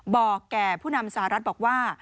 บอกแก่ผู้นำสหรัฐบอกว่า